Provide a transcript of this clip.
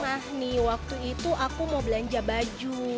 pernah nih waktu itu aku mau belanja baju